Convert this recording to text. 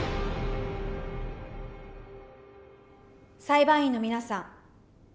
裁判員の皆さん